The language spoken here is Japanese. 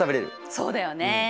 そうだよね。